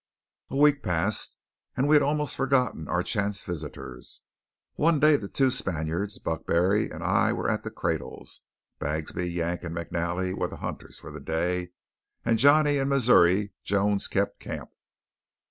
A week passed, and we had almost forgotten our chance visitors. One day the two Spaniards, Buck Barry and I were at the cradle; Bagsby, Yank, and McNally were the hunters for the day. Johnny and Missouri Jones kept camp.